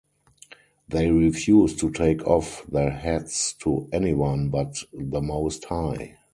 They refused to take off their hats to anyone but the Most High.